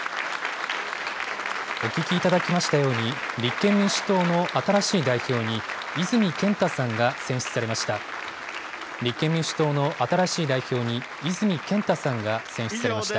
お聞きいただきましたように、立憲民主党の新しい代表に、泉健太さんが選出されました。